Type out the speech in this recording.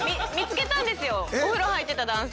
お風呂入ってた男性。